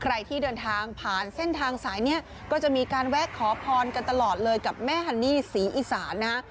ใครที่เดินทางผ่านเส้นทางสายนี้ก็จะมีการแวะขอพรกันตลอดเลยกับแม่ฮันนี่ศรีอีสานนะฮะ